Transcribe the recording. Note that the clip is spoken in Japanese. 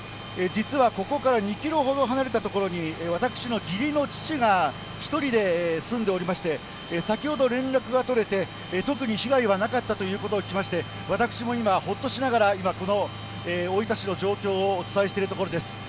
実はここから２キロほど離れた所に、私の義理の父が１人で住んでおりまして、先ほど連絡が取れて、特に被害はなかったということを聞きまして、私も今、ほっとしながら、今、この大分市の状況をお伝えしているところです。